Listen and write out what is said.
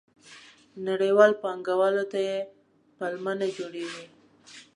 نړیخورو پانګوالو ته یې پلمه نه جوړېږي.